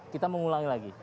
kita mengulangi lagi